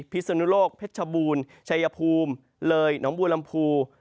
พิสุนโลกเพชบูรณ์ชัยภูมิเลยน้องบูรรมภู